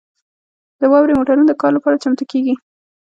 د واورې موټرونه د کار لپاره چمتو کیږي